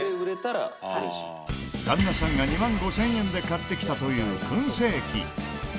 旦那さんが２万５０００円で買ってきたという燻製器。